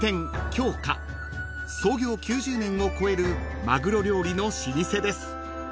［創業９０年を超えるマグロ料理の老舗です］